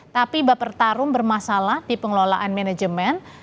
tapi bapertarum bermasalah di pengelolaan manajemen